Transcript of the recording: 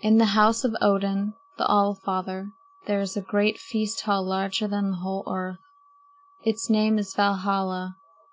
In the house of Odin, the All father, there is a great feast hall larger than the whole earth. Its name is Valhalla.